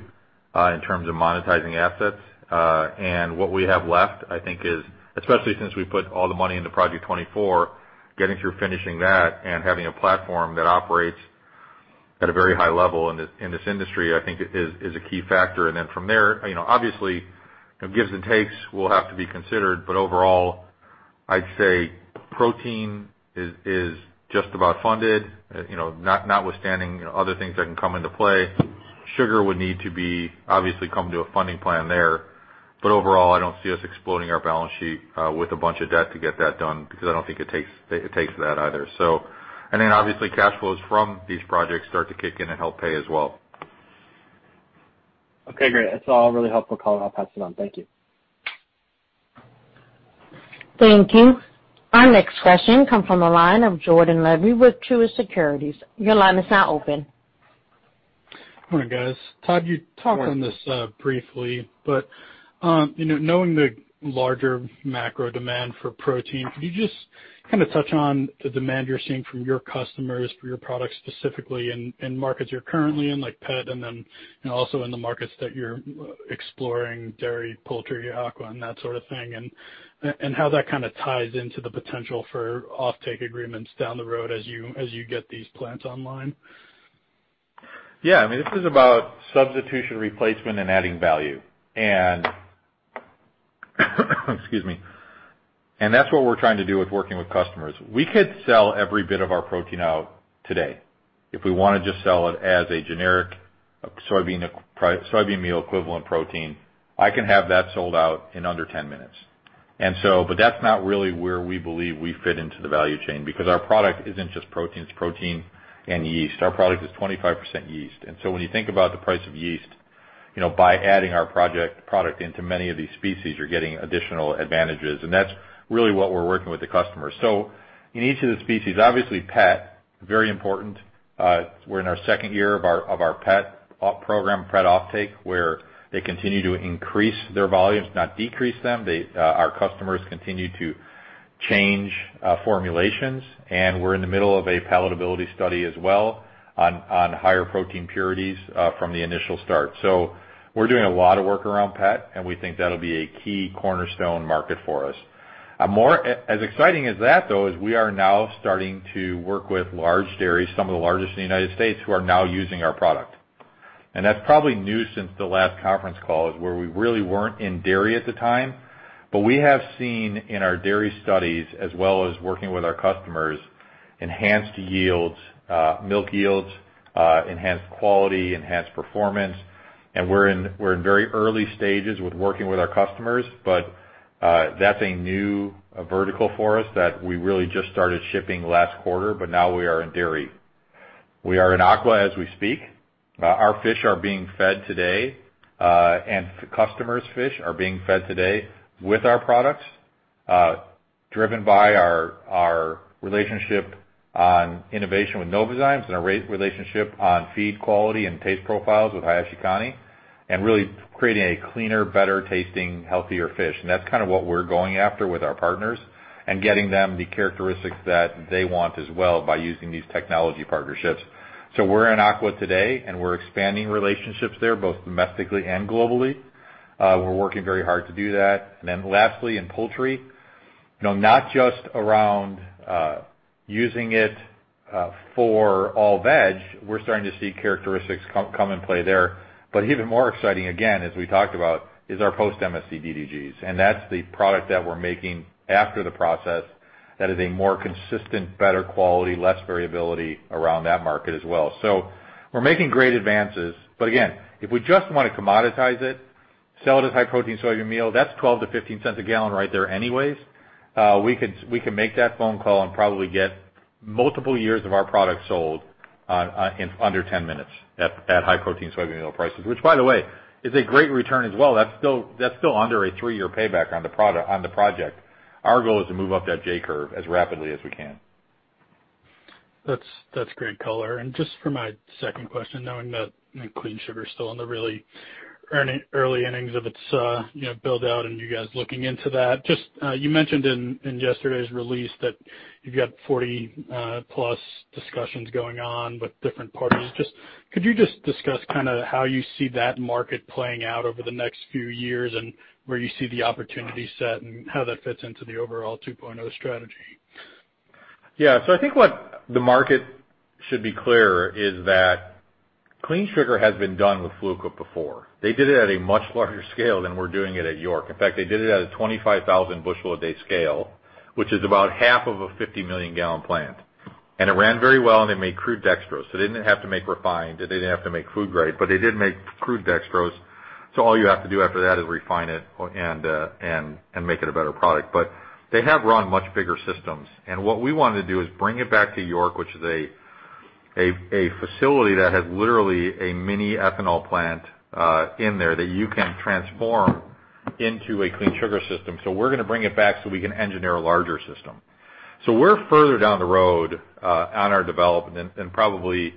in terms of monetizing assets. What we have left, I think is, especially since we put all the money into Project 24, getting through finishing that and having a platform that operates at a very high level in this industry, I think, is a key factor. From there, obviously, gives and takes will have to be considered, but overall, I'd say Protein is just about funded, notwithstanding other things that can come into play. Sugar would need to obviously come to a funding plan there. Overall, I don't see us exploding our balance sheet with a bunch of debt to get that done, because I don't think it takes that either. Then obviously, cash flows from these projects start to kick in and help pay as well. Okay, great. That's all really helpful, color, I'll pass it on. Thank you. Thank you. Our next question come from the line of Jordan Levy with Truist Securities. Your line is now open. Hi, guys. Todd, you talked on this briefly, but knowing the larger macro demand for protein, could you just touch on the demand you're seeing from your customers for your products specifically in markets you're currently in, like pet, and then also in the markets that you're exploring, dairy, poultry, aqua, and that sort of thing, and how that kind of ties into the potential for offtake agreements down the road as you get these plants online? Yeah. I mean, this is about substitution, replacement, and adding value. Excuse me. That's what we're trying to do with working with customers. We could sell every bit of our protein out today. If we want to just sell it as a generic soybean meal equivalent protein, I can have that sold out in under 10 minutes. That's not really where we believe we fit into the value chain, because our product isn't just protein, it's protein and yeast. Our product is 25% yeast. When you think about the price of yeast, by adding our product into many of these species, you're getting additional advantages. That's really what we're working with the customers. In each of the species, obviously pet, very important. We're in our second year of our pet program, pet offtake, where they continue to increase their volumes, not decrease them. Our customers continue to change formulations, and we're in the middle of a palatability study as well on higher protein purities from the initial start. We're doing a lot of work around pet, and we think that'll be a key cornerstone market for us. As exciting as that, though, is we are now starting to work with large dairies, some of the largest in the United States, who are now using our product. That's probably new since the last conference call, is where we really weren't in dairy at the time. We have seen in our dairy studies, as well as working with our customers, enhanced yields, milk yields, enhanced quality, enhanced performance. We're in very early stages with working with our customers, but that's a new vertical for us that we really just started shipping last quarter. Now we are in dairy. We are in aqua as we speak. Our fish are being fed today, customers' fish are being fed today with our products, driven by our relationship on innovation with Novozymes and our relationship on feed quality and taste profiles with Hayashikane, really creating a cleaner, better tasting, healthier fish. That's kind of what we're going after with our partners and getting them the characteristics that they want as well by using these technology partnerships. We're in aqua today, we're expanding relationships there, both domestically and globally. We're working very hard to do that. Lastly, in poultry, not just around using it for all veg, we're starting to see characteristics come in play there. Even more exciting, again, as we talked about, is our post MSC DDGs, and that's the product that we're making after the process that is a more consistent, better quality, less variability around that market as well. We're making great advances. Again, if we just want to commoditize it, sell it as high protein soybean meal, that's $0.12-$0.15 a gallon right there anyways. We could make that phone call and probably get multiple years of our product sold in under 10 minutes at high protein soybean oil prices. Which, by the way, is a great return as well. That's still under a three-year payback on the project. Our goal is to move up that J-curve as rapidly as we can. That's great color. Just for my second question, knowing that Clean Sugar is still in the really early innings of its build-out and you guys looking into that, you mentioned in yesterday's release that you've got 40+ discussions going on with different parties. Could you just discuss how you see that market playing out over the next few years and where you see the opportunity set and how that fits into the overall 2.0 Strategy? Yeah. I think what the market should be clear is that Clean Sugar has been done with Fluid Quip before. They did it at a much larger scale than we're doing it at York. In fact, they did it at a 25,000 bushel a day scale, which is about half of a 50-million gallon plant. It ran very well, and they made crude dextrose. They didn't have to make refined, and they didn't have to make food grade, but they did make crude dextrose. All you have to do after that is refine it and make it a better product. But they have run much bigger systems. What we want to do is bring it back to York, which is a facility that has literally a mini ethanol plant in there that you can transform into a Clean Sugar system. We're going to bring it back so we can engineer a larger system. We're further down the road on our development, and probably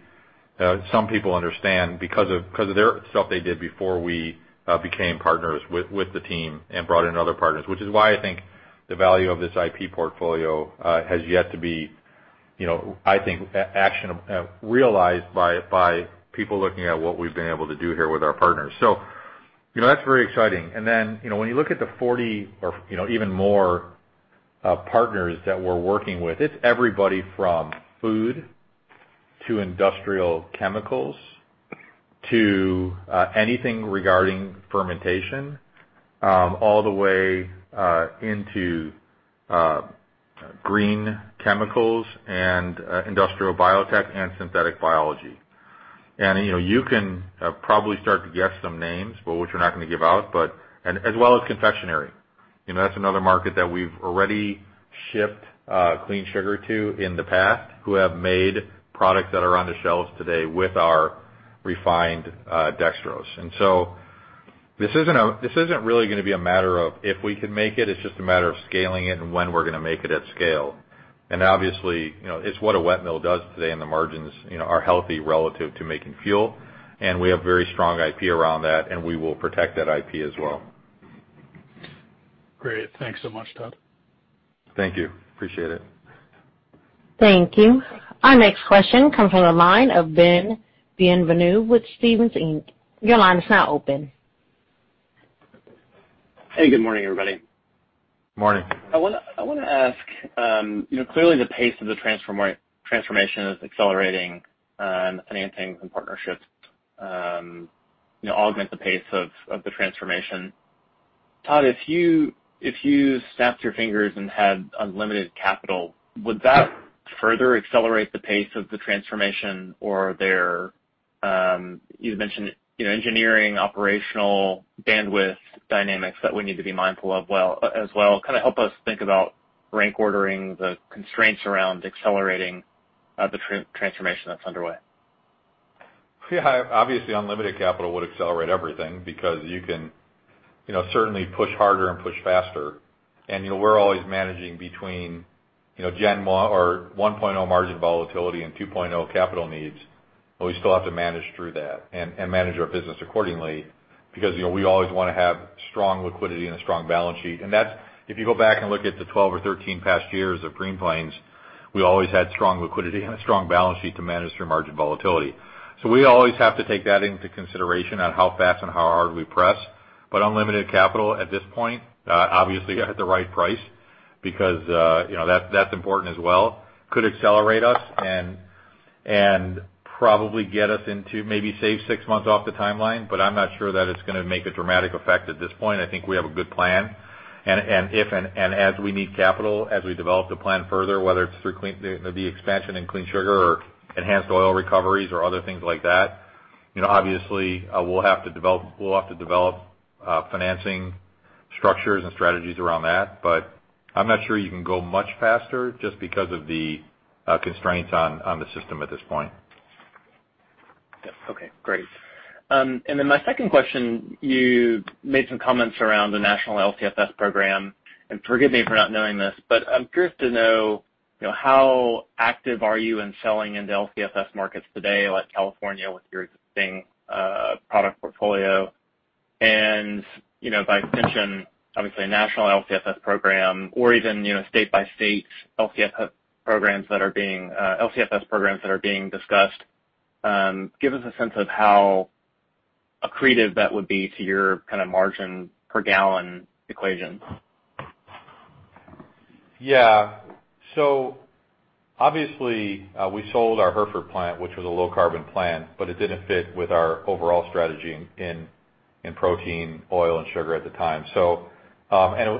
some people understand because of their stuff they did before we became partners with the team and brought in other partners. Which is why I think the value of this IP portfolio has yet to be realized by people looking at what we've been able to do here with our partners. That's very exciting. When you look at the 40 or even more partners that we're working with, it's everybody from food to industrial chemicals to anything regarding fermentation, all the way into green chemicals and industrial biotech and synthetic biology. You can probably start to guess some names, but which we're not going to give out, but as well as confectionery. That's another market that we've already shipped Clean Sugar to in the past who have made products that are on the shelves today with our refined dextrose. This isn't really going to be a matter of if we can make it's just a matter of scaling it and when we're going to make it at scale. Obviously, it's what a wet mill does today and the margins are healthy relative to making fuel. We have very strong IP around that, and we will protect that IP as well. Great. Thanks so much, Todd. Thank you. Appreciate it. Thank you. Our next question comes from the line of Ben Bienvenu with Stephens Inc. Your line is now open. Hey, good morning, everybody. Morning. I want to ask, clearly the pace of the transformation is accelerating, and financings and partnerships augment the pace of the transformation. Todd, if you snapped your fingers and had unlimited capital, would that further accelerate the pace of the transformation? You had mentioned engineering, operational bandwidth dynamics that we need to be mindful of as well. Help us think about rank ordering the constraints around accelerating the transformation that's underway. Yeah. Unlimited capital would accelerate everything because you can certainly push harder and push faster. We're always managing between one margin volatility and two capital needs, we still have to manage through that and manage our business accordingly. We always want to have strong liquidity and a strong balance sheet. If you go back and look at the 12 or 13 past years of Green Plains, we always had strong liquidity and a strong balance sheet to manage through margin volatility. We always have to take that into consideration on how fast and how hard we press. Unlimited capital at this point, obviously at the right price, because that's important as well, could accelerate us and probably get us into maybe save six months off the timeline. I'm not sure that it's going to make a dramatic effect at this point. I think we have a good plan. As we need capital, as we develop the plan further, whether it's through the expansion in Clean Sugar or enhanced oil recoveries or other things like that, obviously, we'll have to develop financing structures and strategies around that. I'm not sure you can go much faster just because of the constraints on the system at this point. Okay. Great. My second question, you made some comments around the national LCFS program. Forgive me for not knowing this, I'm curious to know how active are you in selling into LCFS markets today, like California with your existing product portfolio. By extension, obviously a national LCFS program or even state by state LCFS programs that are being discussed. Give us a sense of how accretive that would be to your margin per gallon equation. Yeah. Obviously, we sold our Hereford plant, which was a low carbon plant, but it didn't fit with our overall strategy in protein, oil, and sugar at the time. It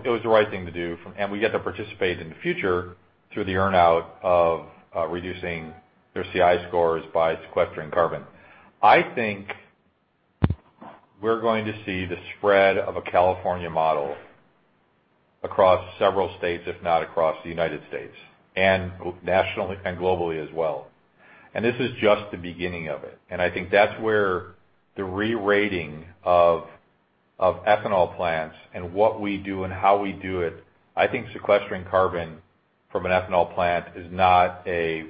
was the right thing to do. We get to participate in the future through the earn-out of reducing their CI scores by sequestering carbon. I think we're going to see the spread of a California model across several states, if not across the United States, and nationally and globally as well. This is just the beginning of it. I think that's where the re-rating of ethanol plants and what we do and how we do it, I think sequestering carbon from an ethanol plant is not a,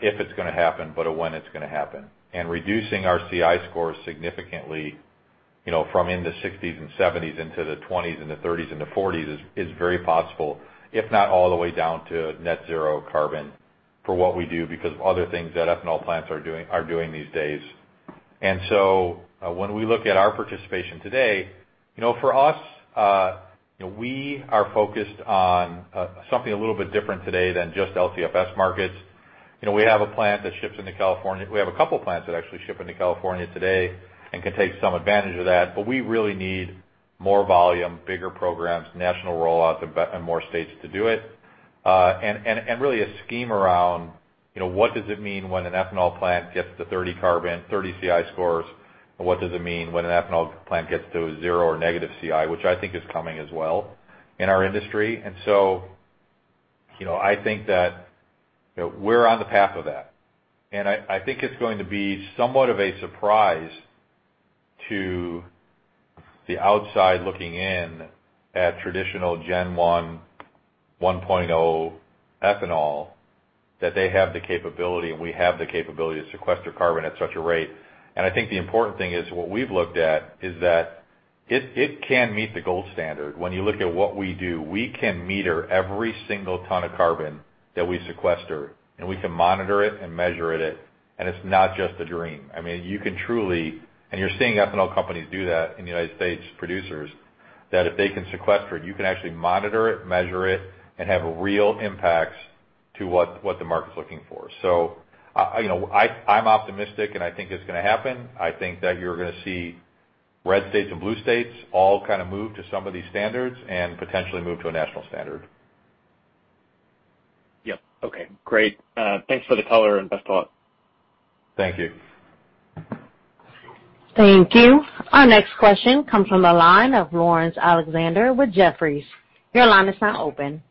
if it's going to happen, but a when it's going to happen. Reducing our CI scores significantly, from in the 60s and 70s into the 20s and the 30s and the 40s is very possible, if not all the way down to net zero carbon for what we do, because of other things that ethanol plants are doing these days. When we look at our participation today, for us, we are focused on something a little bit different today than just LCFS markets. We have a plant that ships into California. We have a couple plants that actually ship into California today and can take some advantage of that, but we really need more volume, bigger programs, national rollouts in more states to do it. Really a scheme around, what does it mean when an ethanol plant gets to 30 carbon, 30 CI scores? What does it mean when an ethanol plant gets to zero or negative CI, which I think is coming as well in our industry. I think that we're on the path of that. I think it's going to be somewhat of a surprise to the outside looking in at traditional gen 1 1.0 ethanol, that they have the capability, and we have the capability to sequester carbon at such a rate. I think the important thing is, what we've looked at is that it can meet the gold standard. When you look at what we do, we can meter every single ton of carbon that we sequester, and we can monitor it and measure it. It's not just a dream. I mean, you can truly you're seeing ethanol companies do that in the United States producers. That if they can sequester it, you can actually monitor it, measure it, and have real impacts to what the market's looking for. I'm optimistic, and I think it's going to happen. I think that you're going to see red states and blue states all kind of move to some of these standards, and potentially move to a national standard. Yep. Okay, great. Thanks for the color and best thought. Thank you. Thank you. Our next question comes from the line of Laurence Alexander with Jefferies. Your line is now open.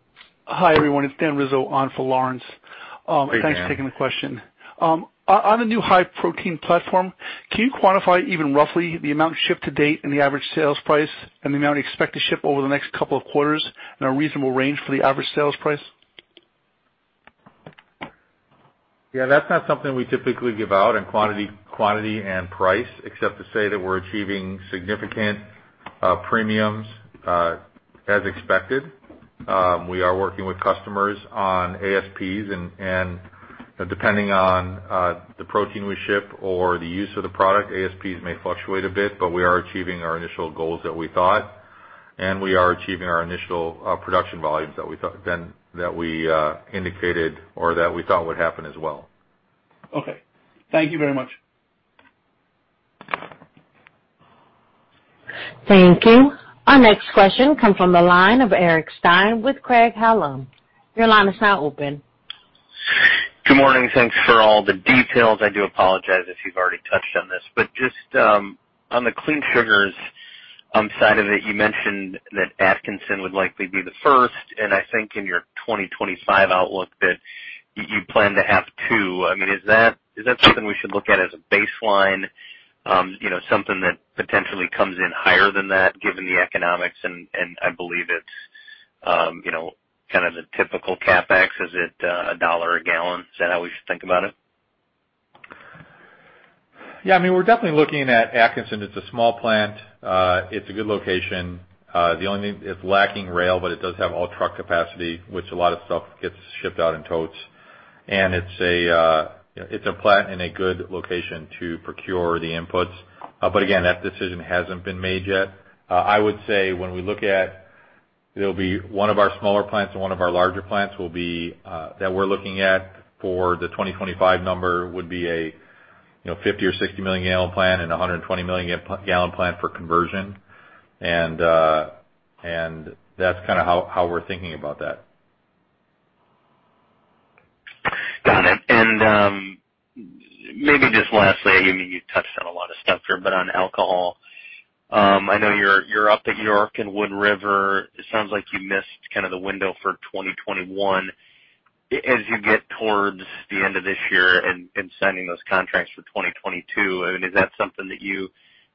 Hi, everyone. It's Dan Rizzo on for Laurence. Hey, Dan. Thanks for taking the question. On the new high-protein platform, can you quantify even roughly the amount shipped to date and the average sales price, and the amount you expect to ship over the next couple of quarters, and a reasonable range for the average sales price? Yeah, that's not something we typically give out in quantity and price, except to say that we're achieving significant premiums, as expected. We are working with customers on ASPs and depending on the protein we ship or the use of the product, ASPs may fluctuate a bit, but we are achieving our initial goals that we thought. We are achieving our initial production volumes that we indicated or that we thought would happen as well. Okay. Thank you very much. Thank you. Our next question comes from the line of Eric Stine with Craig-Hallum. Your line is now open. Good morning. Thanks for all the details. I do apologize if you've already touched on this, but just on the Clean Sugars side of it, you mentioned that Atkinson would likely be the first, and I think in your 2025 outlook that you plan to have two. I mean, is that something we should look at as a baseline? Something that potentially comes in higher than that, given the economics and I believe it's kind of the typical CapEx. Is it $1 a gallon? Is that how we should think about it? Yeah, I mean, we're definitely looking at Atkinson. It's a small plant. It's a good location. The only thing, it's lacking rail, but it does have all truck capacity, which a lot of stuff gets shipped out in totes. It's a plant in a good location to procure the inputs. Again, that decision hasn't been made yet. I would say when we look at, it'll be one of our smaller plants and one of our larger plants that we're looking at for the 2025 number would be a 50 or 60 million gallon plant and 120 million gallon plant for conversion. That's kind of how we're thinking about that. Got it. Maybe just lastly, I mean, you touched on a lot of stuff here, but on alcohol, I know you're up at York and Wood River. It sounds like you missed kind of the window for 2021. As you get towards the end of this year and signing those contracts for 2022, I mean, is that something that you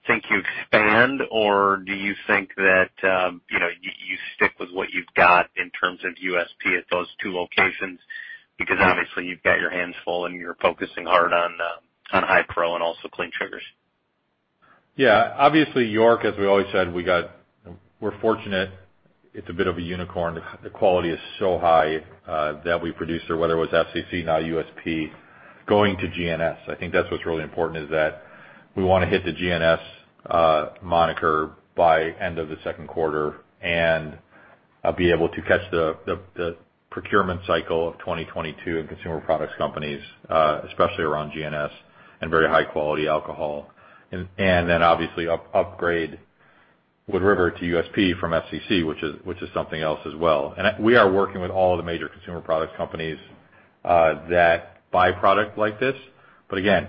think you expand or do you think that you stick with what you've got in terms of USP at those two locations? Because obviously you've got your hands full and you're focusing hard on HiPro and also Clean Sugar. Obviously York, as we always said, we're fortunate. It's a bit of a unicorn. The quality is so high that we produced there, whether it was FCC, now USP, going to GNS. That's what's really important is that we want to hit the GNS moniker by end of the second quarter and be able to catch the procurement cycle of 2022 in consumer products companies, especially around GNS and very high-quality alcohol. Obviously upgrade Wood River to USP from FCC, which is something else as well. We are working with all of the major consumer products companies that buy product like this. Again,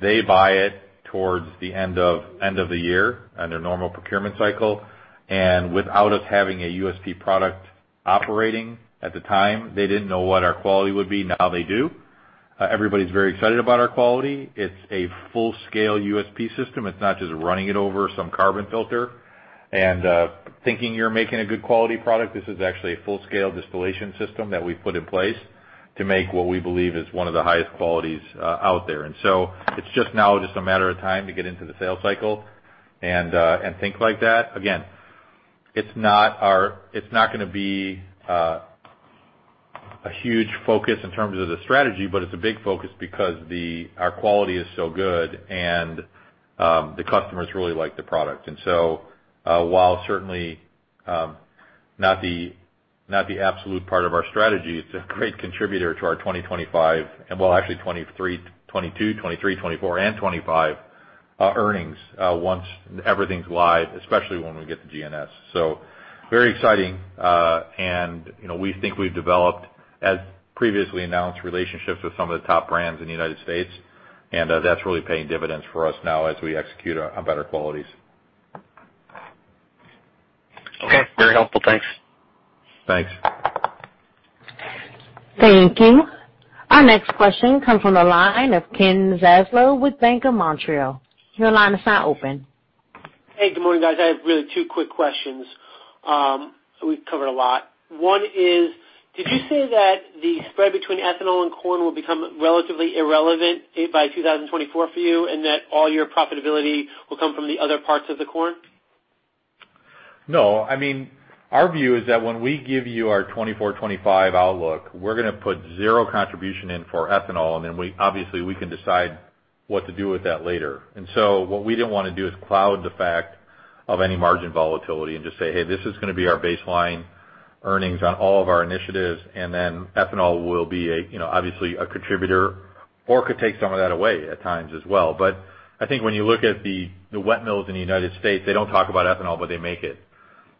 they buy it towards the end of the year on their normal procurement cycle. Without us having a USP product operating at the time, they didn't know what our quality would be. Now they do. Everybody's very excited about our quality. It's a full-scale USP system. It's not just running it over some carbon filter and thinking you're making a good quality product. This is actually a full-scale distillation system that we've put in place to make what we believe is one of the highest qualities out there. It's just now just a matter of time to get into the sales cycle and think like that. Again, it's not going to be a huge focus in terms of the strategy, but it's a big focus because our quality is so good, and the customers really like the product. While certainly not the absolute part of our strategy, it's a great contributor to our 2025, and well, actually 2023, 2022, 2023, 2024, and 2025 earnings once everything's live, especially when we get to GNS. Very exciting. We think we've developed, as previously announced, relationships with some of the top brands in the United States, and that's really paying dividends for us now as we execute on better qualities. Okay. Very helpful. Thanks. Thanks. Thank you. Our next question comes from the line of Ken Zaslow with Bank of Montreal. Your line is now open. Hey, good morning, guys. I have really two quick questions. We've covered a lot. One is, did you say that the spread between ethanol and corn will become relatively irrelevant, say, by 2024 for you, and that all your profitability will come from the other parts of the corn? No. I mean, our view is that when we give you our 2024, 2025 outlook, we're going to put zero contribution in for ethanol, and then obviously we can decide what to do with that later. What we didn't want to do is cloud the fact of any margin volatility and just say, "Hey, this is going to be our baseline earnings on all of our initiatives." Ethanol will be obviously a contributor or could take some of that away at times as well. I think when you look at the wet mills in the United States, they don't talk about ethanol, but they make it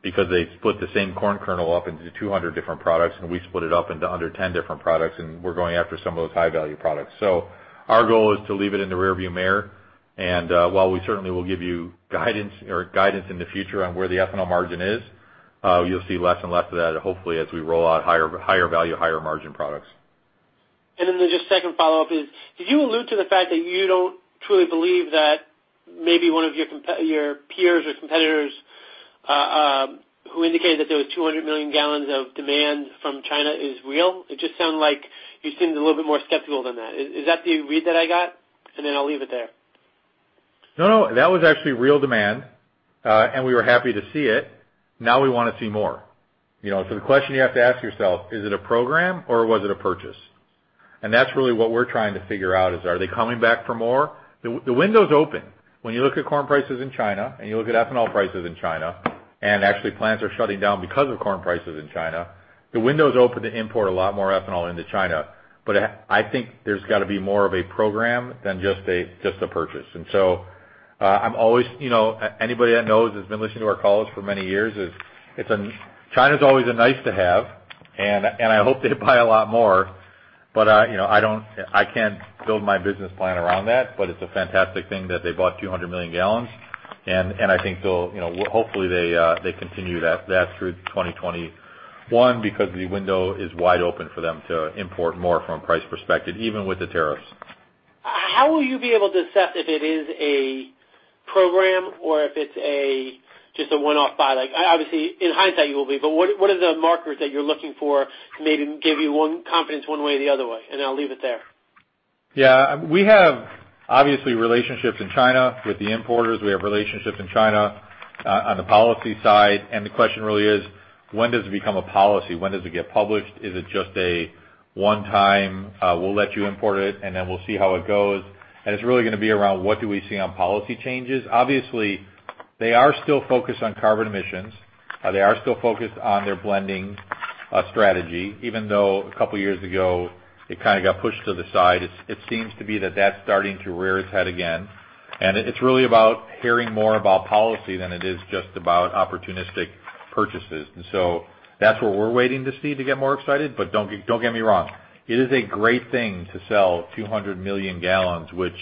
because they split the same corn kernel up into 200 different products, and we split it up into under 10 different products, and we're going after some of those high-value products. Our goal is to leave it in the rear view mirror, and while we certainly will give you guidance in the future on where the ethanol margin is, you'll see less and less of that hopefully as we roll out higher value, higher margin products. Just second follow-up is, did you allude to the fact that you don't truly believe that maybe one of your peers or competitors, who indicated that there was 200 million gallons of demand from China is real? It just sound like you seemed a little bit more skeptical than that. Is that the read that I got? I'll leave it there. That was actually real demand, and we were happy to see it. We want to see more. The question you have to ask yourself, is it a program or was it a purchase? That's really what we're trying to figure out, is are they coming back for more? The window's open. When you look at corn prices in China and you look at ethanol prices in China, and actually plants are shutting down because of corn prices in China, the window's open to import a lot more ethanol into China. I think there's got to be more of a program than just a purchase. Anybody that knows, that's been listening to our calls for many years is, China's always a nice-to-have, and I hope they buy a lot more. I can't build my business plan around that. It's a fantastic thing that they bought 200 million gallons, and I think hopefully they continue that through 2021 because the window is wide open for them to import more from a price perspective, even with the tariffs. How will you be able to assess if it is a program or if it's just a one-off buy? Obviously, in hindsight you will be, but what are the markers that you're looking for to maybe give you confidence one way or the other way? I'll leave it there. Yeah. We have obviously relationships in China with the importers. We have relationships in China on the policy side. The question really is, When does it become a policy? When does it get published? Is it just a one-time, we'll let you import it, and then we'll see how it goes? It's really going to be around what do we see on policy changes. Obviously, they are still focused on carbon emissions. They are still focused on their blending strategy. Even though a couple of years ago it kind of got pushed to the side, it seems to be that that's starting to rear its head again. It's really about hearing more about policy than it is just about opportunistic purchases. That's what we're waiting to see to get more excited. Don't get me wrong, it is a great thing to sell 200 million gallons, which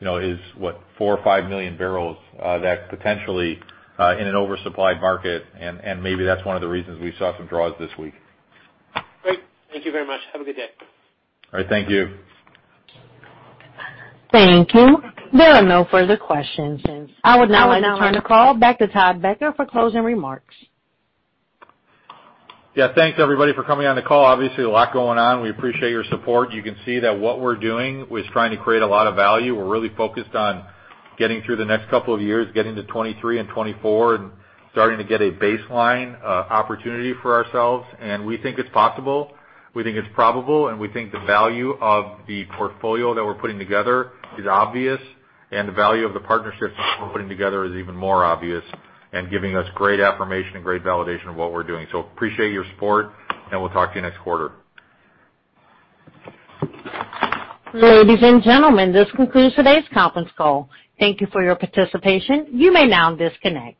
is what? Four or five million barrels that potentially in an oversupplied market, and maybe that's one of the reasons we saw some draws this week. Great. Thank you very much. Have a good day. All right. Thank you. Thank you. There are no further questions. I would now like to turn the call back to Todd Becker for closing remarks. Yeah. Thanks everybody for coming on the call. Obviously a lot going on. We appreciate your support. You can see that what we're doing is trying to create a lot of value. We're really focused on getting through the next couple of years, getting to 2023 and 2024, and starting to get a baseline opportunity for ourselves. We think it's possible, we think it's probable, and we think the value of the portfolio that we're putting together is obvious, and the value of the partnerships that we're putting together is even more obvious and giving us great affirmation and great validation of what we're doing. Appreciate your support, and we'll talk to you next quarter. Ladies and gentlemen, this concludes today's conference call. Thank you for your participation. You may now disconnect.